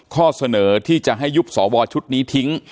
ข้อเสนอที่จะให้ยุบสวชุดนี้ทิ้ง